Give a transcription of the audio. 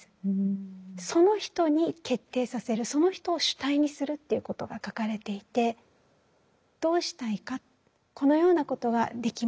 その人に決定させるその人を主体にするっていうことが書かれていてどうしたいかこのようなことができます